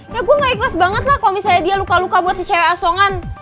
ya gue gak ikhlas banget lah kalau misalnya dia luka luka buat si cewek asongan